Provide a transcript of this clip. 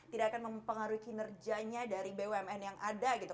tidak akan mempengaruhi kinerjanya dari bumn yang ada gitu